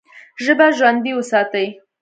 ژبه ژوندۍ وساتئ!